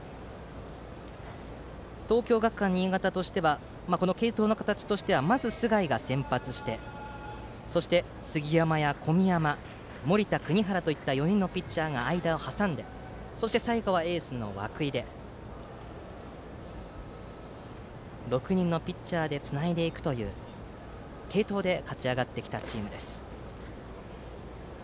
東京学館新潟はこの継投の形としてはまず、須貝が先発してそして杉山や込山森田、国原といった４人のピッチャーが間を挟んで最後はエースの涌井という６人のピッチャーでつないでいくという継投で勝ち上がってきたチームです。